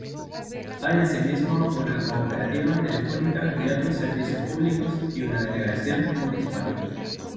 Hay asimismo una Cooperativa Telefónica y otros Servicios Públicos y una Delegación Municipal.